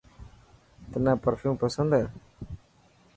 تنا پرفيوم پسند هي.